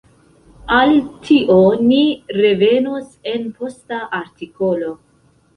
Al tio ni revenos en posta artikolo.